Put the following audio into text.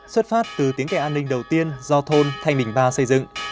xuất phát từ tiếng kẻ an ninh đầu tiên do thôn thanh bình ba xây dựng